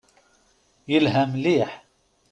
Yelha mliḥ.